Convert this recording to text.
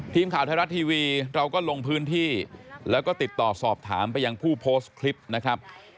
ทีมข่าวไทยรัฐทีวีเราก็ลงพื้นที่แล้วก็ติดต่อสอบถามไปยังผู้โพสต์คลิปนะครับ